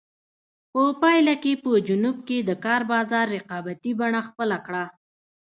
په پایله کې په جنوب کې د کار بازار رقابتي بڼه خپله کړه.